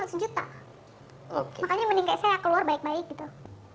makanya mending kayak saya keluar baik baik gitu